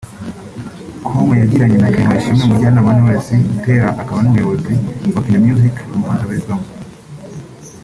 com yagiranye na Clement Ishimwe umujyanama wa Knowless Butera akaba n’umuyobozi wa Kina Music uyu muhanzikazi abarizwamo